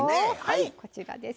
こちらです。